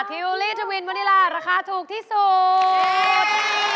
ทิวลี่ทะวินวันนี้ลาราคาถูกที่สุด